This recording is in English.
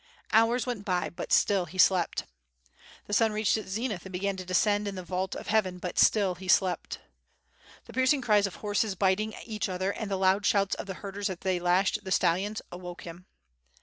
Hours went by but he still slept. The sun reached its zenith and began to descend in the vault of heaven, but he still slept. The piercing crys of horses biting each other and the loud shouts of the herders as they lashed the stallioais, awoke him.